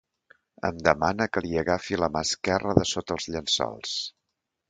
Em demana que li agafi la mà esquerra de sota els llençols.